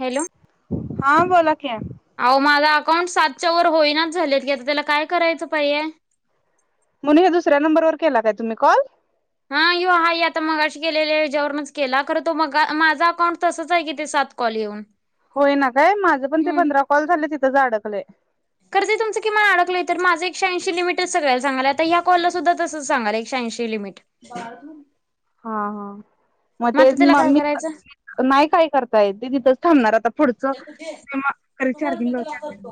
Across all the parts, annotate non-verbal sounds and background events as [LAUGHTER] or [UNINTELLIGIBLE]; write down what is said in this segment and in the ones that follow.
Hello हा बोला क अह माझा अकाउंट सातच्या वर होईनाच झालेत की आता त्याला काय करायचं पाहिे म्हणून हे दुसऱ्या नंबरवर केला काय तुम्ही कॉल हा यो हा आता मगाशी केली याच्या्यावर म केला खरं तो मग माझा अकाउंट तसंच आहे कि ते सात कॉल येऊन होई ना काय माझं पण ते पंधरा कॉल झाले तिथं अडकले क ज तुमं किमान अडकलं तर माझं एक शहाऐंशी लिमटर सगळला सांगाय आ या कॉललाद्धा तसं सांगाय एक शऐंशी लिमिट हा हा मग ते आता त्याला म काय मी करायचं नाही काय करताय ते तिथंच थांबणार आता पुढच जमा करेल चार दिन चार दि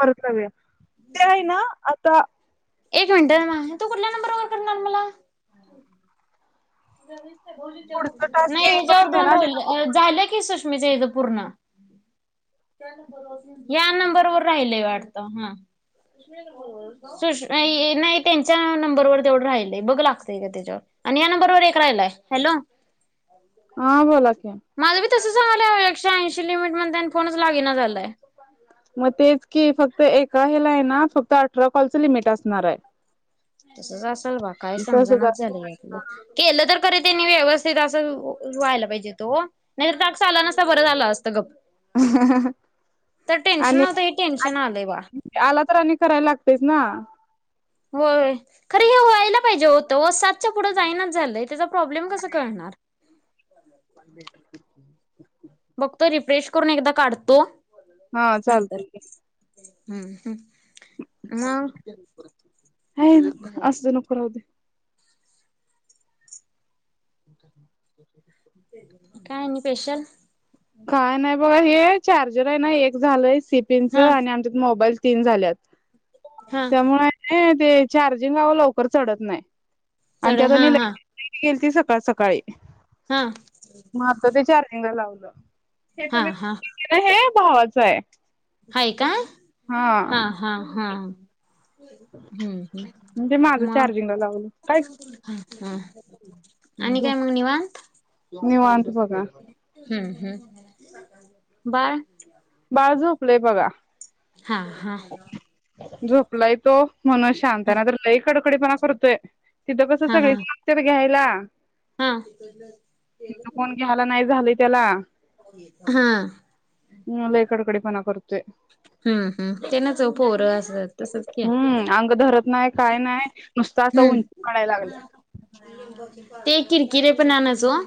परत रावया ते आहे ना आता एक मिनटं म तू कुठल्या नंबर वर करणार मला पुढचा टास्क नाही हच्यावर येईपर्यंत आहे दोन ना ते. राहिले झालं की सुष्मच हं पूर्ण या नंबर वर राहिलय वाटत हा [UNINTELLIGIBLE] सुष नाही त्यांच्या नंबरवर तेवढं राहिलय बघ लागतंय का त्याच्यावर आणि या नंबरवरर एक राहिलाय हॅलो हा बोला की माझ बी तस सांगलंश ऐंशी लिमिट म्हण फोणच लागे ना झालंय मग तेच की फक्त एका हे ला आहे ना फक्त अठरा कॉलचं लिमिट असणार आहे तसच असाल बा काय तसच समजणच झालं यातलं केलं तर करीी त्यांनी व्यवस्थित असं व्हायला पाहिजे तो नाही तर ताकस आला नसता बरं झालं असतं गप् तर टेन्शन आणि नवत ह टेन्शन आलंय बा आला तर आणि करायला लागतेच ना हो खरे हे व्हायला पाहिजे होतं व सातच्या पुढं जाईनाच झालंय त्याचा प्रॉब्लेम कसं कळणार. [UNINTELLIGIBLE] े बघतो रिफ्रेश करून एकदा काढतो हा नंतर चालतय हम्म हम्. असते नकराहते. [INAUDIBLE] काय नि स्ेशल. काय नाही बघा हे चार्जर आहे ना एक झालंय हा सिपीनचं आणि आमच्यात मोबाईल तीन झाल्यात. हा त्यामुळे ते चार्जिंग हवं लवकर चढत नाही. आणि चढ त्यात हा ल हा गेली त सकाळ सकाळी हां. म आता तेच्या रंगा लावलं हे हा तुम्ही हा हे भावाचं आहे. हा का हा हा हा. हम्म हम्म म्हणजे माझं मग चार्जिंगला लावलं. काय ह आणि काय मग निवांत निवत बघा. हम्म हम्म ब बाळ झोपलंय बघा. हा हा. झोपलाय तो म्हणून शांत हा आहे ना तर लई कडकडीपणा करतोय. सिधं कस हा सगळ हा सक्चर घ्यायला हा ति कोण घ्यायला नाही झालं. केला. हा. म ल कडकडे पणा करते. हम् हम् त्यांना च पोरं असत. ्या हम्म अंग धरत नाही काय नाही नुसता असं हम्म. उंची वाढायला लागल्या ते किरकिरे पण आणचो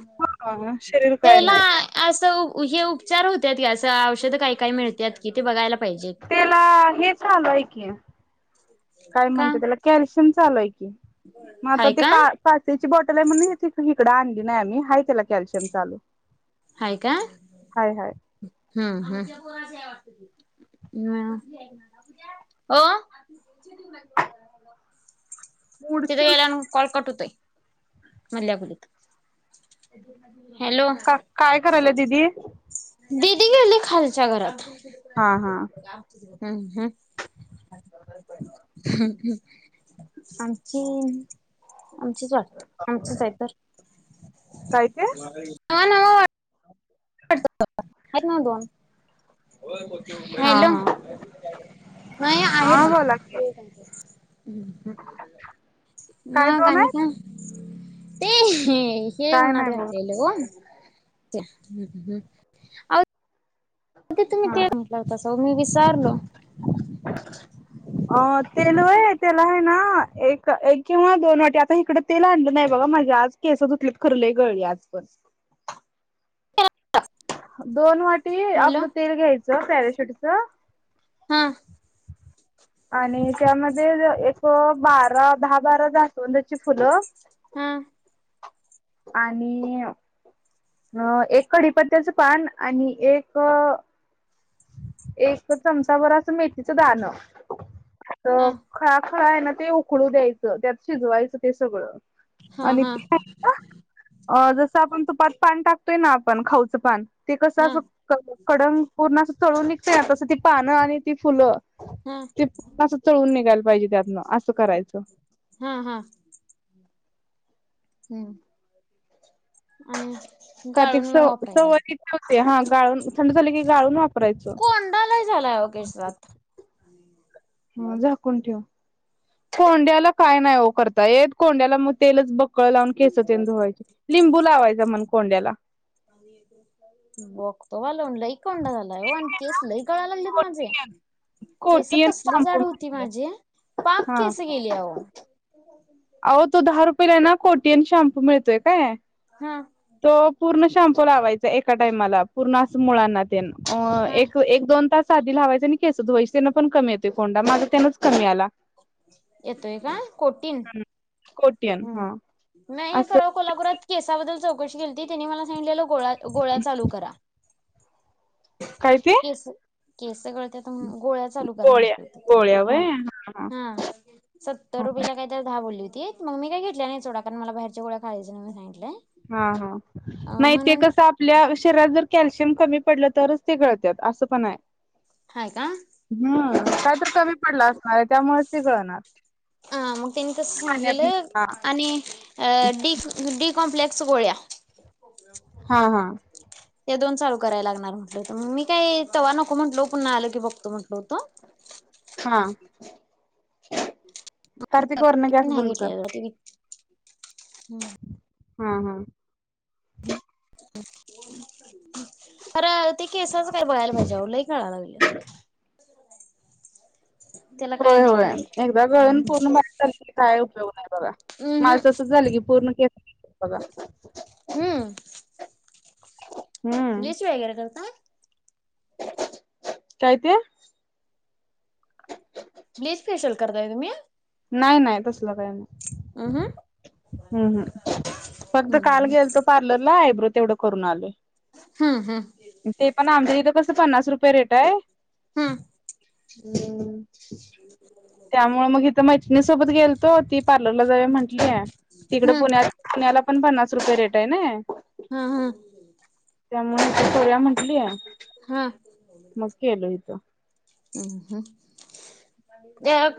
ह शरीर काय त्याला नाही असं हे उपचार होतात की असं औषधं काही काही मिळतात की ते बघायला पाहिजे. त्याला हे चालूय की काय का म्हणत त्याला कॅल्शियम चालूय की मग आता हाय ते का काय? पासेची बॉटल आहे म्हणून हिकडं आणली नाही आम्ही हय त्याला कॅल्शियम चालू. आहेाय का हाय हाय हम्म हम्. हम् हो. तिथे वेलान कळकट होतोय. मल्यापुलीत हॅलो. का काय करायल दीदी दिदी गेली खालच्या घरात हा हा. हम हम. आमख आमचीच वाट आमचच आहे तर काय ते नवा वा. ह ना दोन हा हॅलो हा ह आहे हा ना. बोला की काय मग दोन काणी आहेत खा ते हे. हे काय उणा नाही बघ काटलेले. तुम्ही हा ते म्हटलं होस मी विचारलो. ह. अ तेल आहे तेला आहे ना एक एक किंवा दोन वाटी आता इकडे ते लांडलं नाही बघा माझ्या आज केस दुतलेत खरलं गळली आज पण दोन वाटी हॅलो आपलं तेल घ्यायचं पॅऱ्याशेवटीच हा. आणि त्यामध्ये एक बारा, दहा बारा जास्वंदाची फुलं हा. आणि अ. अ एक कढीपत्त्याचं पान आणि एक एक चमचा बर अस मेथीचं दान अ हा खळाखळा आहे ना ते उकळू द्यायचं, त्यात शिजवायचं ते सगळं हा आणि हा त्यात अ जसं आपण तूपात पान टाकतोय ना, आपण खाऊचं पान ते कसं हा असं कडंग पूर्ण अस तळून निघतय, ना तस ती पानं आणि ती फुलं हा ती पूर्ण तळून निघायला पाहिजे, त्यातनं असं करायचं हा हा. हम्म आणि कार्तिक गाळून मग वापराय गेला [UNINTELLIGIBLE] होते हा गाळून थंड झाले की गाळून वापरायचं कोंडा लई झालाय आव केसात हो झाकून ठेव. कोंड्याला काय नाही ओ करता येत? कोंड्याला मग तेलच बक्कळ लावून केसं तेन धुवायची लिंबू लावायचा म्हण कोंड्याला मस् [INAUDIBLE] बघतो बा लावून लई कोंड झाला ओ केस लई गळाय लागल्यात माझे कोटियन केस कोटियन कसली शाम्पू जाड होती, म्हणतात माझी पाक केस गेली आओ अवो तो दहा रुपयला ना कोटीयन शॅम्पू मिळतोय काय? हा. तो पूर्ण शॅम्पू लावायचा एका टाइमाला पूर्ण असं मुळांना अ हा एक, दोन तास साधी लावायची आणि केस धुवायची, तेण पण कमी येतोय कोंडा माझा त्यानच कमी आला येतोय काय कोटीन? कोटियन हम्म हा नाही आस परवा कोल्हापुरात केसाबद्दल चौकशी केलती, तेनी मला सांगितलेलं गोळ्या चालू करा. काय ते केसं केसं गळत्यात गोळ्या चालू करा गोळ्या गोळ्या हा व्हय हा. सत्तर हा रुपयेला काय तर दहा बोलली होतीत, मग मी काय घेतल्या नाहीत सोडा? कारण मला बाहेरच्या गोळ्या खायच नाही म्हणून सांगितलंय. हा हा अ नाही ते म्हणून कसं? आपल्या शरीरात जर कॅल्शियम कमी पडलं, तरच ती गळत्यात असं पण हाय हाय का? हम्म काय तर कमी पडला असणार आहे, त्यामुळेच ती गळणार ह मग त्यांनी तस पाण्यात सांगीतलेलं हा आणि अ डी डी कॉम्प्लेक्स गोळ्या हा हा. या दोन चालू कराय लागणार म्हटले होतं, मग मी काय तवा नको म्हटलो पुन्हा आलं की बघतो, म्हांटलो होतो. हा कार्तिक वरन गॅस बंद कर राहूदे घे. हम्म. हा हा. हम् ह [UNINTELLIGIBLE] खर ते केसाच काय बघायला पाहिजे आओ? लईच गळाय लागलेत. त्याला काय होय नाही होय काय एकदा हम्म गळण पूर्ण बारीक झालं, की काय उपयोग नाही बघा. हम्म माझ तसंच झालंय की पूर्ण केस गेलीत बघा हम्म. [INAUDIBLE] ब्लिच वगैरे करताय कायती ब्लीच फेशियल करताय तुम्ही नाही नाही तसलं काही नाही आ हं हम् हम् फक्त काल हं गेल तो पार्लरला आयब्रो तेवढं करून आले हम्म हम्म ते पण आमच्या तिथं कसं पन्नास रुपये रेट आहे हं हं हम्म ह त्यामुळे मग इथं मैतिणी सोबत गेलतो ती पार्लरला जावे म्हटलीय तिकडे हं पुण्यात पुण्याला पण पन्नास रुपये रेट आहे ना हा हा त्यामुळे सोर्या म्हटलीय हा मकी्यालोयतो ह ह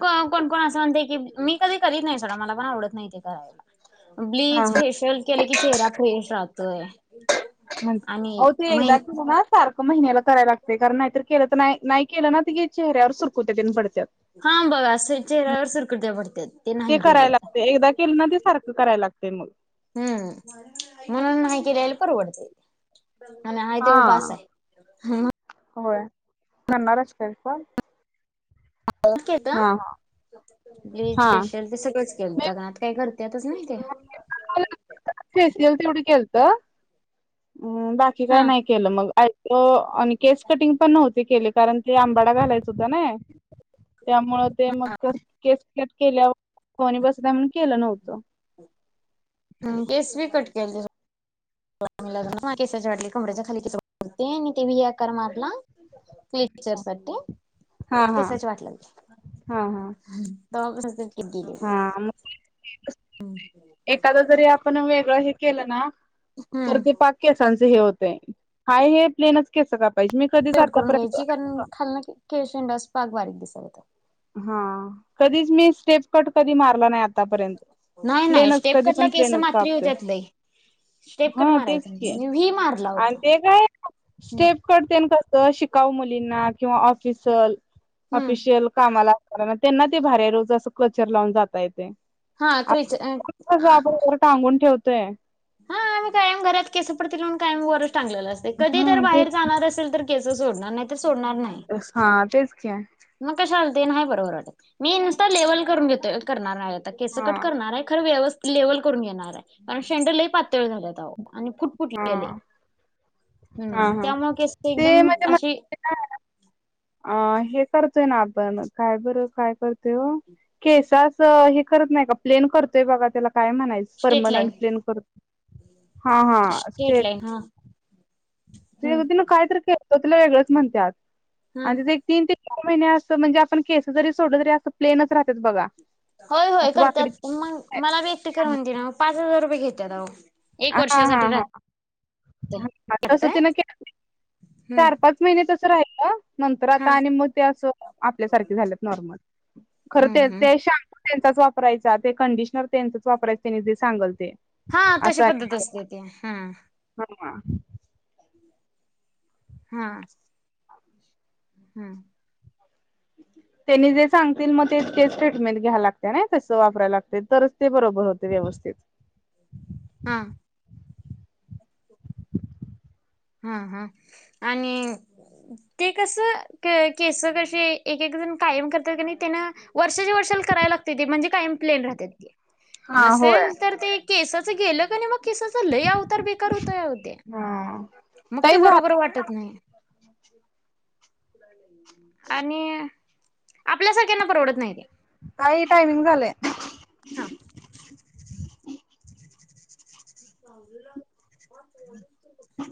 कोण कोण असं म्हणते की मी कधी करीत नाही सोड मला पण आवडत नाही ते करायला हा ब्लीच फेशियल कला की चेहरा फेश राहतोय म आणि हो ते मै दाखव ना सारखं महिन्याला करायला लागते कारण नाहीतर केलं तर नाही नाही केलं ना त चेहऱ्यावर सुरकुत्या त पडत्यात हा बघा चेहऱ्यावर सुरकुत्या पडतात ते नाही कराय केलं तर. लागत एकदा केल ना ते सारखं करायला लागत तेमु हम्म म्हणून मा क रा्यायला परवडते आणि हा तेवढं बास आहे हा होय करणारच काय पण ओकेता हा ब्लीज हा. स्ेशल तस केता काणात काही करतातच नाही ते फेशियल तेवढी केलत बाकी हा काय नाही केलं मग आणि केस कटिंग पण नव्हती केले कारण ते आंबाडा घालायच होत ना त्यामुळ ते मग केस कट केल्यावर कोणी बस केलं नव्हत केस बी कट के लग केसडली कमड्याच्या खाली तरते आणि ते म या कर मारला क्लचर साठी हा हा कसाची वाट लागली हा हा. टीप गेली हा मग एखाद जरी आपण वेगळं हे केलं ना तर हम्म ते पाक केसांच हे होतय हाय हे प्लेनच केस का पाहिजे मी कधीच ट करून आतापर्यंत घ्यायची कारण खाल् खळशंडस पाक बारीक दिसाव होता हा कधीच मी स्टेप कट कधी मारला नाही आतापर्यंत नाही नाही प्लेनच स्टेप कधी कटला पण केस प्लेनच मात्री कापकय होत्यात लई स्टेप कट हा तेच मारायचा क नाही आहे मी व्ही मारला आणि होता. ते काय हम्म स्टेप क शा मुलीं किंवा ऑफिल ऑिल कामाला अस त्यांना ते भऱारी रोज असं क्लचर लावून जाता येत हा क्रेच हा कस आपणर टांगून ठेवतोय हा आम्ही कायम घरात केस पडतील म्हणून कायम वरच टांगलेलं असते कधी तरर हम्म बाहेर तेच जाणार असेल तर केस सोडणार नाही ते सोडणार नाही हा तेच घ्या मग कशा आलते नाही बरोबर वाटत मी नुसत लेवल करून घेतो करणार आहे केस हा कट करणार आहे खर व्यवस्थित लेवल करून घेणार आहे कारण शेंडलही पातळ झालं आणि फुट हा फुटलेले हा हम्म हा त्यामुळे कस ते एकदम म्हणजे असे म्हणजे अ हे करतोय ना आपण काय बर काय करतोय केसास हे करत नाही का प्लेन करतोय बघा त्याला काय म्हणायचं. स्ट्रेट परमनंट लाईन प्लेन करतो हा हा स्ट्रेट से लाईन हा हम्म ते तिन कायत केत तिला वेगळंच म्हणतात हम्म. आणि तिथ. तीन ते चार महिने अस म्हणजे आपण केस जरी सोडल तरी असं प्लेनच राहतात बघा. होय होय असं वाकडी करतात मग मला व्यक्ट हा करून देणार मग पाच हजार रुपये घेतात अह. हा हा ह तस राहतय ते न चार हम्म पाच महिन्या तसं राहिल का? नंतर हा आता आणि मग ते असं आपल्यासारखे झालेत नॉर्मल खरं हम्म ते हम्म. ते श त्यांचाच वापरायचा ते कंडिशनर त्यांचाच वापरायच त्यांनी जे सांगल ते हा तशी पद्धत असते ते हम. हा हा. हा. हम्म. [INAUDIBLE] त्यांनी जे सांगतील मग तेतकेच ट्रीटमेंट घ्यायला लागते ना तसं वापरायला लागते तरच ते बरोबर होते व्यवस्थित हा. हा हा आणि ते कस केस क एक एक जण कायम करतात का नाही त्यांना वर्षाच्या वर्षाला कराय लागते ते म्हणजे कायम प्लेन राहतेाती. हा होय नसेल तर ते केसाचं गेलं का नाही मग केसाच लय अवतार बेकार होत होते्या. हा मग ते ताई झा बरोबर वाटत नाही. आणि आपल्यासारख्यांना परवडत नाही र. काही टायमिंग झालंय. हा. जूला ह.